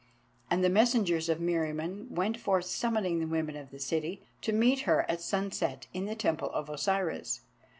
And the messengers of Meriamun went forth summoning the women of the city to meet her at sunset in the Temple of Osiris.